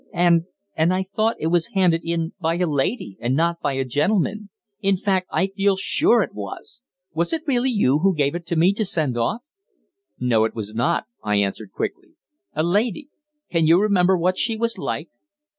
And and I thought it was handed in by a lady, and not by a gentleman. In fact I feel sure it was. Was it really you who gave it to me to send off?" "No, it was not," I answered quickly. "A lady? Can you remember what she was like?"